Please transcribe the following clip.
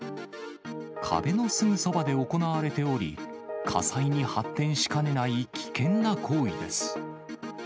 壁のすぐそばで行われており、火災に発展しかねない危険な行為です。